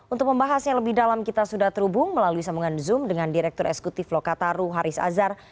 untuk membahasnya lebih dalam kita sudah terhubung melalui sambungan zoom dengan direktur eksekutif lokataru haris azhar